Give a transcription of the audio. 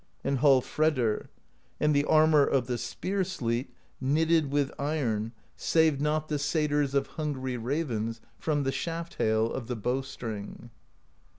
And Hallfredr: And the armor of the Spear Sleet, Knitted with iron, saved not i88 PROSE EDDA The saters of hungry ravens From the Shaft Hail of the Bowstring.